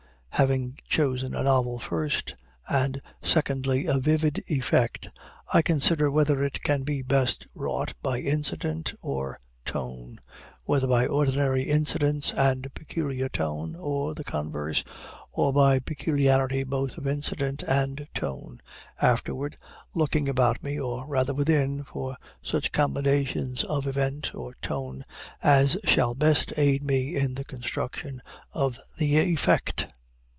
Having chosen a novel, first, and secondly a vivid effect, I consider whether it can be best wrought by incident or tone whether by ordinary incidents and peculiar tone, or the converse, or by peculiarity both of incident and tone afterward looking about me (or rather within) for such combinations of event, or tone, as shall best aid me in the construction of the effect.